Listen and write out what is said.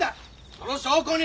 その証拠に！